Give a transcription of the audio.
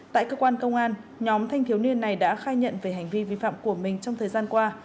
tại cơ quan công an nhóm thanh thiếu niên này đã khai nhận về hành vi vi phạm của mình trong thời gian qua